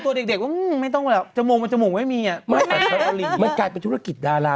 ตัวแดกว่าอืมไม่ต้องแบบจมูกจมูกไม่มีอ่ะมันกลายเป็นธุรกิจดารา